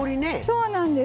そうなんです。